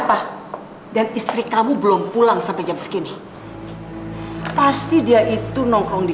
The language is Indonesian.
ya allah eva kamu jangan kayak gini lagi ya sayang